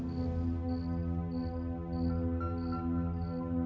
saya akan mencari suami saya